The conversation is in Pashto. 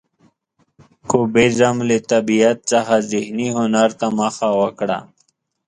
کوبیزم له طبیعت څخه ذهني هنر ته مخه وکړه.